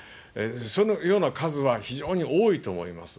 そのような数は非常に多いと思います。